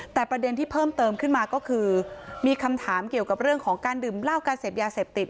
แต่ประเด็นที่เพิ่มเติมขึ้นมาก็คือมีคำถามเกี่ยวกับเรื่องของการดื่มเหล้าการเสพยาเสพติด